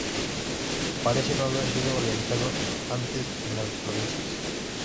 Parece no haber sido organizado antes en las provincias.